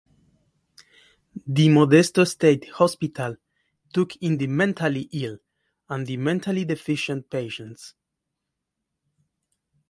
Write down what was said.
The Modesto State Hospital took in the mentally ill and the mentally deficient patients.